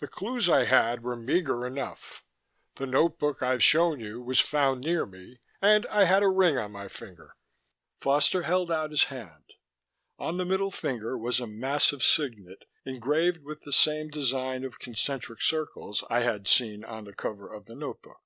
The clues I had were meagre enough; the notebook I've shown you was found near me, and I had a ring on my finger." Foster held out his hand. On the middle finger was a massive signet, engraved with the same design of concentric circles I had seen on the cover of the notebook.